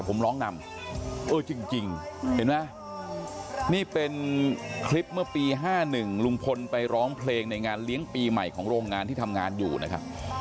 ผมร้องนำเออจริงเห็นไหมนี่เป็นคลิปเมื่อปี๕๑ลุงพลไปร้องเพลงในงานเลี้ยงปีใหม่ของโรงงานที่ทำงานอยู่นะครับ